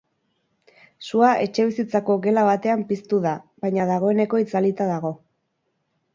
Sua etxebizitzako gela batean piztu da, baina dagoeneko itzalita dago.